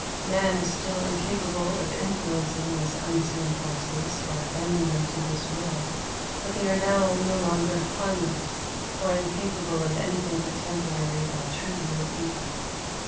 Man is still incapable of influencing these unseen forces, or bending them to his will; but they are now no longer harmless, or incapable of anything but temporary or trivial evil.